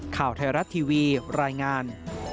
ข่าวไทยรัฐทีวีรายงาน